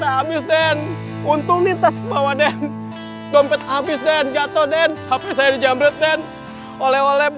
habis dan untuk minta semua wadid dompet habis dan jatuh dan hp saya dijamret dan oleh oleh